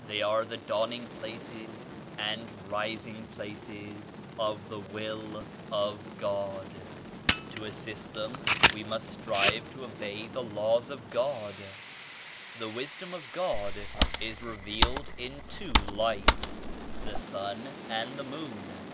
They are the dawning places and rising places of the Will of 87 God. To assist them we must strive to obey the Laws of God. The Wisdom of God is re vealed in two Lights, the *Sun' and the *Moon.'